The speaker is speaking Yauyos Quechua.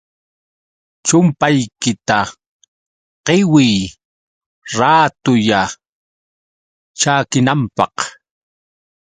chumpaykita qiwiy raatulla chakinanpaq.